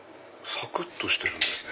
サクっとしてるんですね。